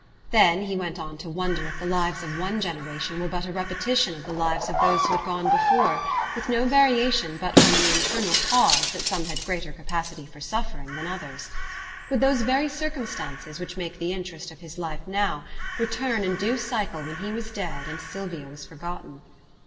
Then he went on to wonder if the lives of one generation were but a repetition of the lives of those who had gone before, with no variation but from the internal cause that some had greater capacity for suffering than others. Would those very circumstances which made the interest of his life now, return, in due cycle, when he was dead and Sylvia was forgotten?